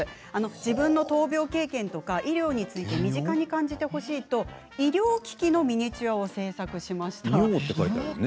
自分の闘病経験や医療について身近に感じてほしいと医療機器のミニチュアを製作しました。